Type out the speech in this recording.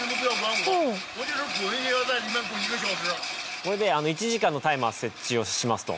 これで１時間のタイマー設置をしますと。